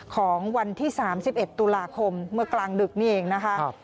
ของวันที่๓๑ตุลาคมเมื่อกลางดึกนี่เองนะคะ